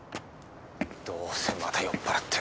どうせまた酔っ払って。